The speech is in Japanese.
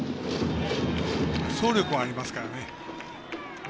走力はありますからね。